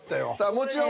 もちろん。